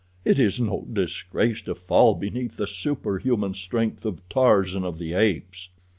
It is no disgrace to fall beneath the superhuman strength of Tarzan of the Apes."